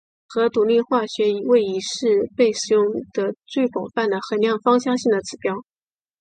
核独立化学位移是被使用得最广泛的衡量芳香性的指标。